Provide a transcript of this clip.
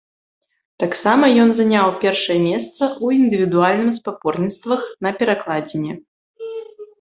Таксама, ён заняў першае месца ў індывідуальным спаборніцтвах на перакладзіне.